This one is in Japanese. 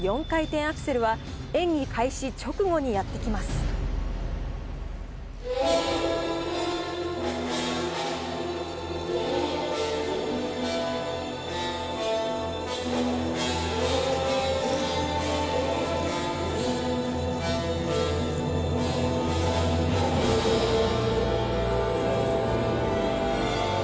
４回転アクセルは、演技開始直後にやって来ます。